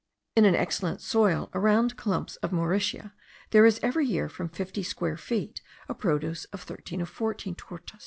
In an excellent soil, around clumps of mauritia, there is every year from fifty feet square a produce of thirteen or fourteen tortas.